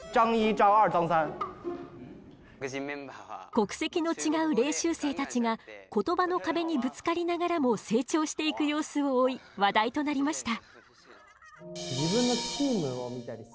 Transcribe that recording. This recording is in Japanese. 国籍の違う練習生たちが言葉の壁にぶつかりながらも成長していく様子を追い話題となりました。